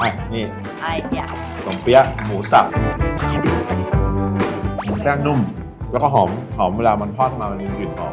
อ่ะนี่ตรงเปี้ยงหมูสับหมูแป้งนุ่มแล้วก็หอมหอมเวลามันพอดขึ้นมาเป็นกลิ่นหอม